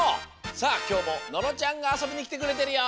さあきょうも野呂ちゃんがあそびにきてくれてるよ。